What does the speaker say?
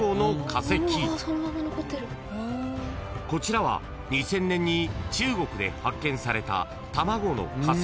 ［こちらは２０００年に中国で発見された卵の化石］